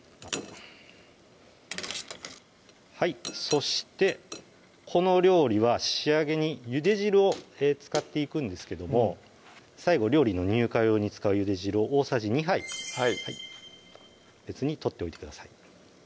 はいそしてこの料理は仕上げにゆで汁を使っていくんですけども最後料理の乳化用に使うゆで汁を大さじ２杯別にとっておいてください